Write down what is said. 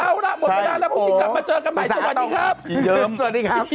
เอาละปลอดภัยแล้วผมคุณอีกนิดหน่ะมาเจอกันใหม่สวัสดีครับ